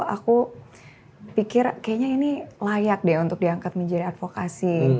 aku pikir kayaknya ini layak deh untuk diangkat menjadi advokasi